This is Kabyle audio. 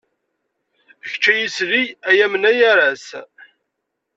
Kečč ay isli, ay amnay aras.